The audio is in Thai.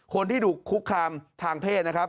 คนที่ถูกคุกคามทางเพศนะครับ